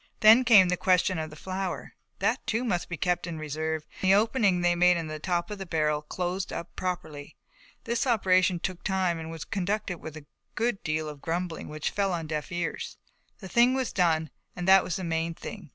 Then came the question of the flour, that too must be kept in reserve and the opening they had made in the top of the barrel closed up properly. This operation took time and was conducted with a good deal of grumbling which fell on deaf ears. The thing was done and that was the main thing.